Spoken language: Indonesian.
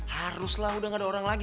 harus lah udah gak ada orang lagi